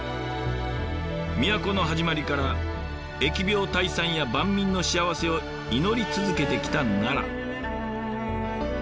都の始まりから疫病退散や万民の幸せを祈り続けてきた奈良。